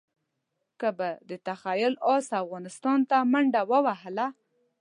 کله به د تخیل اس افغانستان ته منډه ووهله.